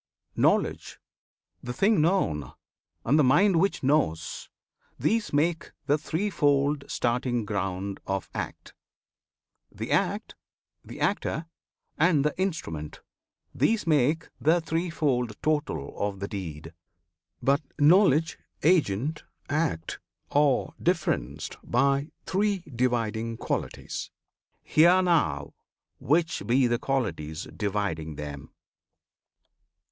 Knowledge, the thing known, and the mind which knows, These make the threefold starting ground of act. The act, the actor, and the instrument, These make the threefold total of the deed. But knowledge, agent, act, are differenced By three dividing qualities. Hear now Which be the qualities dividing them.